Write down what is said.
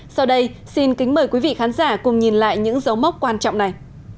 sau đây xin kính mời quý vị khán giả cùng nhìn lại những dấu mốc quan trọng này